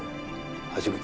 橋口。